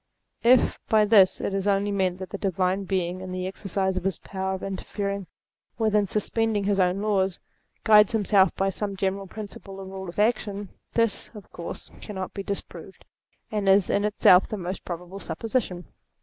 If by this it be only meant that the Divine Being, in the exercise of his power of interfering with and 224 THEISM suspending his own laws, guides himself by some general principle or rule of action, this, of course, cannot be disproved, and is in itself the most probable supposition.